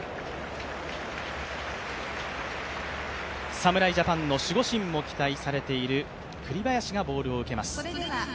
侍ジャパンの守護神も期待されている栗林がボールを受けます。